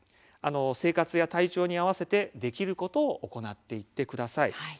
生活や体調に合わせてできることを行ってください。